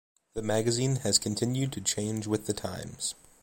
The magazine has continued to change with the times.